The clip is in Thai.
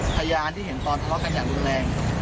พยานที่เห็นตอนทะเลาะกันอย่างรุนแรง